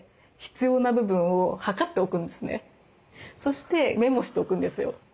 そしてメモしておくんですよ。